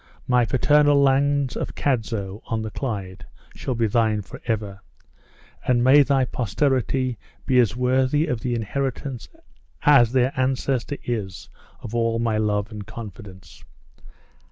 My paternal lands of Cadzow, on the Clyde, shall be thine forever; and may thy posterity be as worthy of the inheritance as their ancestor is of all my love and confidence."